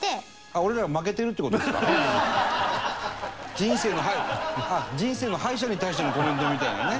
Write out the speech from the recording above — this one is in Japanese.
人生の人生の敗者に対してのコメントみたいなね。